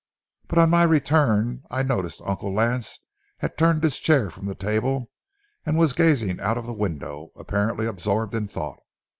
But on my return I noticed Uncle Lance had turned his chair from the table and was gazing out of the window, apparently absorbed in thought.